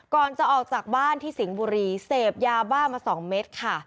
ก่อนจะออกจากบ้านที่สิงห์บุรีเสพยาบ้ามา๒เม็ดค่ะ